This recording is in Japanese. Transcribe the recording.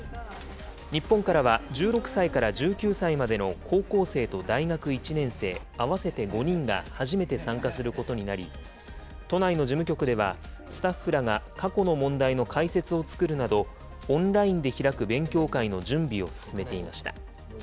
日本からは１６歳から１９歳までの高校生と大学１年生、合わせて５人が初めて参加することになり、都内の事務局では、スタッフらが過去の問題の解説を作るなど、オンラインで開く勉強会の準備を進めていました。